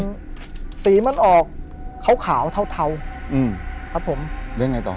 มันสีนี่ออกขาวเทาครับผมจะยังไงต่อ